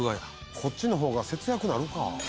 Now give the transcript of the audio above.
こっちの方が節約なるか。